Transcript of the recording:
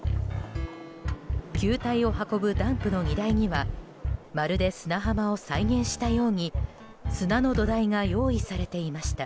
球体を運ぶダンプの荷台はまるで、砂浜を再現したように砂の土台が用意されていました。